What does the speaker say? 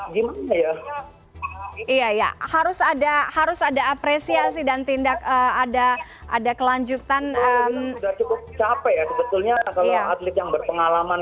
gimana ya iya harus ada harus ada apresiasi dan tindak ada ada kelanjutan capek yang berpengalaman